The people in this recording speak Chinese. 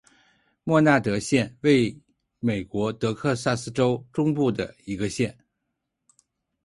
默纳德县位美国德克萨斯州中部的一个县。